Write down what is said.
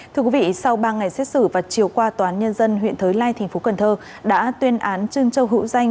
thưa quý vị sau ba ngày xét xử và chiều qua toán nhân dân huyện thới lai tp cn đã tuyên án trương châu hữu danh